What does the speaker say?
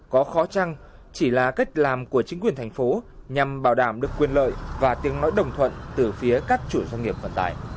có khó chăn chỉ là cách làm của chính quyền thành phố nhằm bảo đảm được quyền lợi và tiếng nói đồng thuận từ phía các chủ doanh nghiệp vận tải